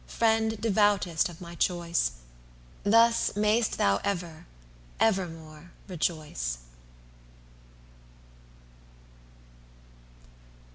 friend devoutest of my choice, Thus may'st thou ever, evermore rejoice.